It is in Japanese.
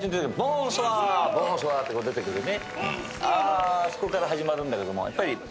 あそこから始まるんだけどもやっぱり。